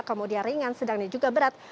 kemudian ringan sedangnya juga berat